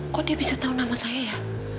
kok dia bisa tahu nama saya ya